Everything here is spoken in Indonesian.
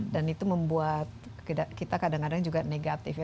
dan itu membuat kita kadang kadang juga negatif ya